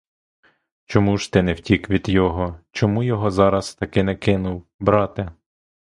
Чому ж ти не втік від його, чому його зараз-таки не кинув, брате?